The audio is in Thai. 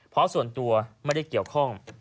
เพราะส่วนตัวไม่ได้เกี่ยวข้อง